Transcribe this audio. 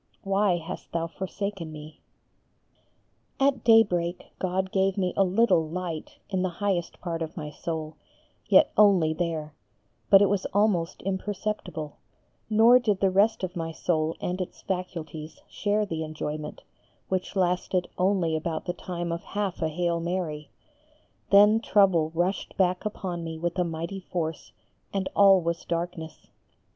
why hast Thou forsaken me." At daybreak God gave me a little light in the highest part of my soul, yet only there; but it was almost imperceptible; nor did the rest of my soul and its faculties share the enjoyment, which lasted only about the time of half a Hail Mary, then, trouble rushed back upon me with a mighty force, and all was darkness.